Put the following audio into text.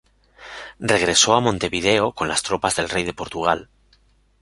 Regresó a Montevideo con las tropas del rey de Portugal.